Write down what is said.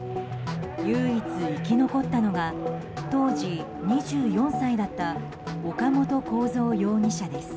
唯一生き残ったのが当時２４歳だった岡本公三容疑者です。